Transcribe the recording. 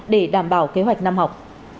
để đảm bảo kế hoạch năm học